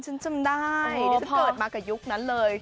ฉันจำได้ดิฉันเกิดมากับยุคนั้นเลย